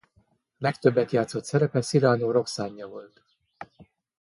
Legtöbbet játszott szerepe Cyrano Roxane-ja volt.